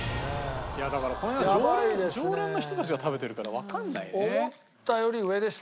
いやだからこの辺は常連の人たちが食べてるからわかんないね。